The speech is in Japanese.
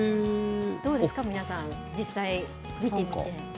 どうですか、皆さん、実際、見てみて。